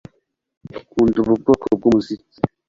Akunda ubu bwoko bwumuziki